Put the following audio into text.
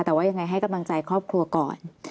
แต่ว่ายังไงให้กำลังใจครอบครัวก่อน